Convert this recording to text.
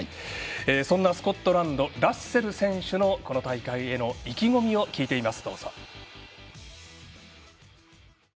そんなスコットランドラッセル選手のこの大会への意気込みを聞いています。